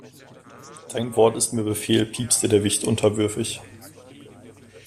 Dein Wort ist mir Befehl, piepste der Wicht unterwürfig.